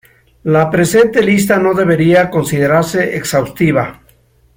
La presente lista no debería considerarse exhaustiva.